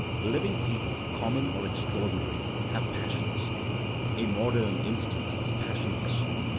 Living people, common or extraordinary, have passions. "A Modem Instance " is passionless.